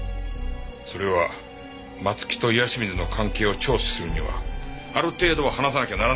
それは松木と岩清水の関係を聴取するにはある程度は話さなきゃならない。